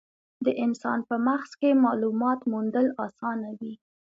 د انسان په مغز کې مالومات موندل اسانه وي.